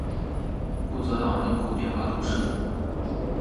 布朗泽人口变化图示